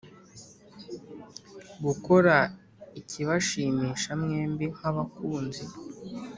gukora ikibashimisha mwembi nk’abakunzi